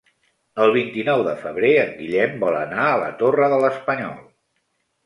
El vint-i-nou de febrer en Guillem vol anar a la Torre de l'Espanyol.